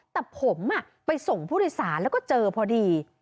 แต่ผมไปส่งผู้โดยสารแล้วก็เจอพอดี